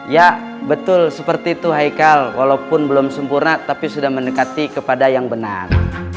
ya betul seperti itu haikal walaupun belum sempurna tapi sudah mendekati kepada yang benar